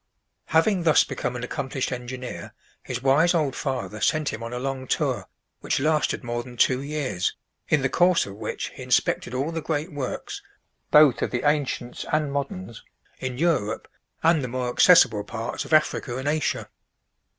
Having thus become an accomplished engineer, his wise old father sent him on a long tour, which lasted more than two years, in the course of which he inspected all the great works, both of the ancients and moderns, in Europe, and the more accessible parts of Africa and Asia.